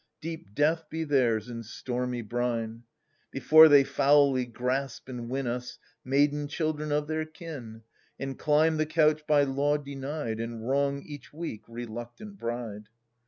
Deep death be theirs, in stormy brine ! Before they foully grasp and win Us, maiden children of their kin, And climb the couch by law denied. And wrong each weak reluctant bride.